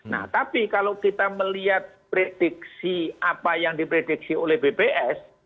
nah tapi kalau kita melihat prediksi apa yang diprediksi oleh bps